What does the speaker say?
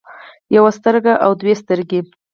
يوه سترګه او دوه سترګې